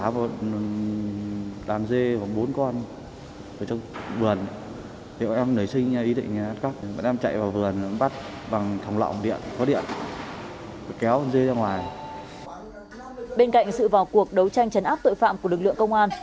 bên cạnh sự vào cuộc đấu tranh chấn áp tội phạm của lực lượng công an